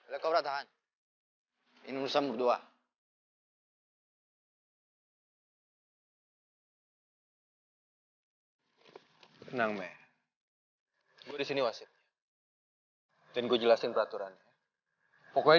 sampai jumpa di video selanjutnya